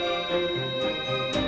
kamu juga harus kuat